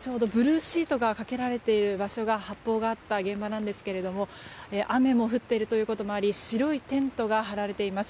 ちょうどブルーシートがかけられている場所が発砲があった現場なんですが雨も降っているということもあり白いテントが張られています。